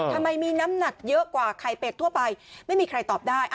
ทำไมมีน้ำหนักเยอะกว่าไข่เป็ดทั่วไปไม่มีใครตอบได้